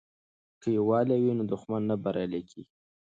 که یووالی وي نو دښمن نه بریالی کیږي.